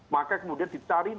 maka kemudian dicari nama